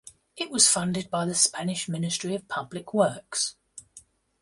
It was funded by the Spanish Ministry of Public Works.